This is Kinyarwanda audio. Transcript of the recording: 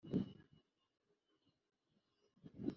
Nta muteja w’imboro.